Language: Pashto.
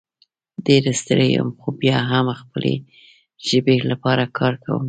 ډېر ستړی یم خو بیا هم د خپلې ژبې لپاره کار کوم